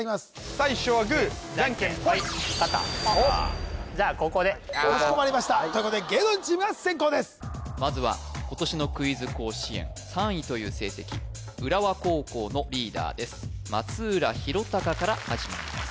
最初はグージャンケンポイ勝ったじゃあ後攻でかしこまりましたということで芸能人チームが先攻ですまずは今年の「クイズ甲子園」３位という成績浦和高校のリーダーです松浦央尚から始まります